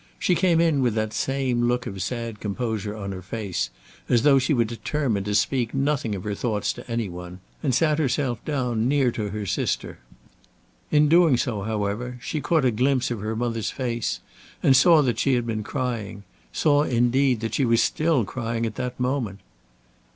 She came in with that same look of sad composure on her face, as though she were determined to speak nothing of her thoughts to any one, and sat herself down near to her sister. In doing so, however, she caught a glimpse of her mother's face, and saw that she had been crying, saw, indeed, that she was still crying at that moment.